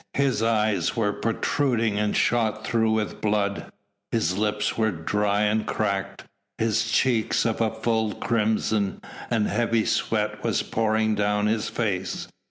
His eyes were protruding and shot through with blood; his lips were dry and cracked, his cheeks of a dull crimson and heavy sweat was pouring down his face.